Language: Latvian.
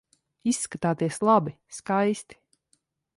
Izskatāties labi, skaisti.